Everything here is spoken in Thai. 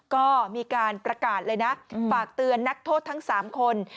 ก็มีการประกาศเลยนะฝากเตือนนักโทษทั้ง๓คน